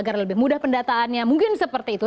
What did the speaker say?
agar lebih mudah pendataannya mungkin seperti itu